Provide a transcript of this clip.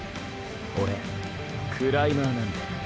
オレクライマーなんで。